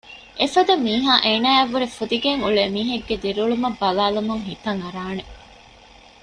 އެފަދަ މީހާ އޭނާއަށްވުރެ ފުދިގެން އުޅޭ މީހެއްގެ ދިރިއުޅުމަށް ބަލާލުމުން ހިތަށް އަރާނެ